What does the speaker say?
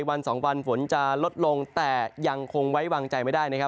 วันสองวันฝนจะลดลงแต่ยังคงไว้วางใจไม่ได้นะครับ